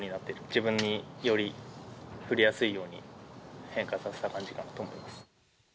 自分により振りやすいように変化させた感じかなと思います。